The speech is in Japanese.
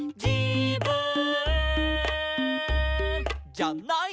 「じゃない」